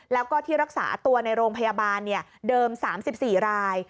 แล้วก็ที่รักษาตัวในโรงพยาบาลเดิม๓๔ราย